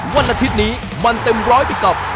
วันอาทิตย์นี้มันเต็มร้อยไปกับ